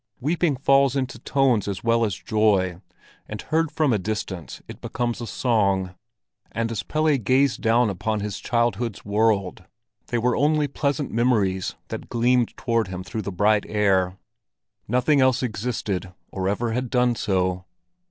Weeping falls into tones as well as joy, and heard from a distance it becomes a song. And as Pelle gazed down upon his childhood's world, they were only pleasant memories that gleamed toward him through the bright air. Nothing else existed, or ever had done so.